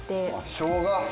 しょうが？